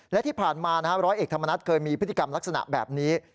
และที่ผ่านมาร้อยเอกธรรมนัฐเคยมีพฤติกรรมลักษณะแบบนี้